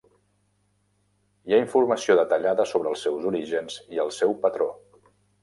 Hi ha informació detallada sobre els seus orígens i el seu patró.